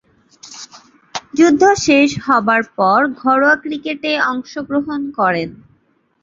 যুদ্ধ শেষ হবার পর ঘরোয়া ক্রিকেটে অংশগ্রহণ করেন।